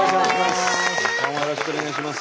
よろしくお願いします。